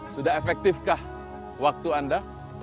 sudah efektifkah waktu anda